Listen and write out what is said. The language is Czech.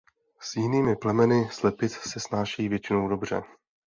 S jinými plemeny slepic se snášejí většinou dobře.